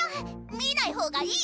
見ない方がいい！